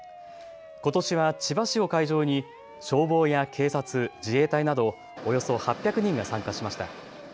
ことしは千葉市を会場に消防や警察、自衛隊などおよそ８００人が参加しました。